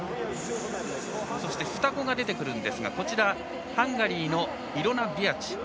双子が出てくるんですがハンガリーのイロナ・ビアチ。